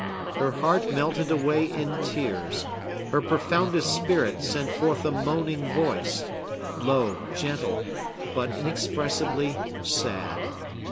Her heart melted away in tears; her profoundest spirit sent forth a moaning voice, low, gentle, but inexpressibly sad.